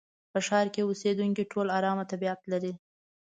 په ښار کې اوسېدونکي ټول ارامه طبيعت لري.